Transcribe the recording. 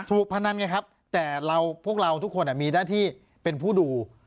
พนันไงครับแต่เราพวกเราทุกคนมีหน้าที่เป็นผู้ดู